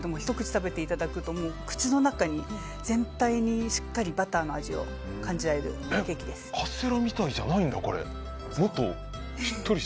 食べていただくともう、口の中全体にしっかりバターの味をカステラみたいじゃないんだね。